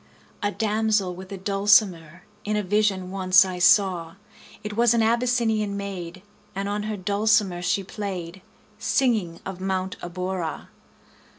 A damsel with a dulcimer In a vision once I saw: It was an Abyssinian maid, And on her dulcimer she play'd, 40 Singing of Mount Abora.